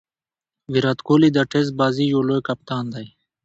ویرات کهولي د ټېسټ بازي یو لوی کپتان دئ.